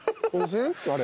あれ？